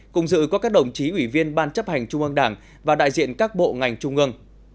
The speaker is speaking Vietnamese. cùng dự có các đồng chí ủy viên ban chấp hành trung ương đảng và đại diện các bộ ngành trung ương